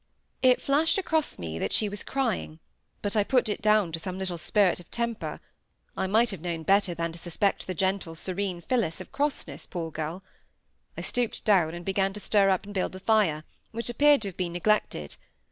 It flashed across me that she was crying, but I put it down to some little spirt of temper; I might have known better than to suspect the gentle, serene Phillis of crossness, poor girl; I stooped down, and began to stir and build up the fire, which appeared to have been neglected.